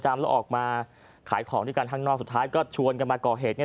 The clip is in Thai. แล้วออกมาขายของด้วยกันข้างนอกสุดท้ายก็ชวนกันมาก่อเหตุเนี่ย